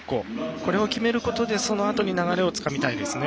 これを決めることでそのあとの流れをつかみたいですね。